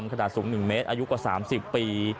ตั้งแต่สูง๑เมตรอายุกว่า๓๐ปี